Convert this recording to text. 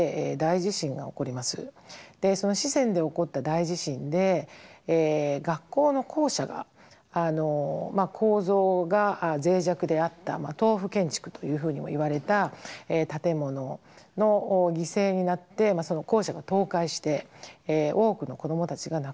その四川で起こった大地震で学校の校舎がまあ構造がぜい弱であった豆腐建築というふうにもいわれた建物の犠牲になってその校舎が倒壊して多くの子どもたちが亡くなりました。